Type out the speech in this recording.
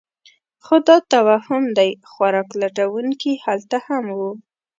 خو دا توهم دی؛ خوراک لټونکي هلته هم وو.